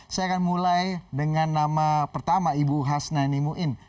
saya akan mulai dengan nama pertama ibu hasnani muin